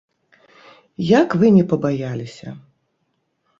Як вы не пабаяліся!